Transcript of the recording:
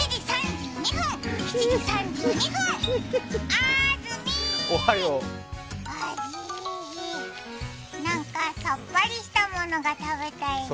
あーずみー、あぢなんかさっぱりしたものが食べたいね。